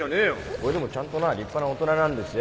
これでもちゃんとな立派な大人なんですよ